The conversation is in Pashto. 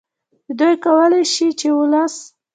چې دوی کولې شي چې ولس